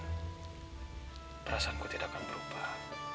perasaanku tidak akan berubah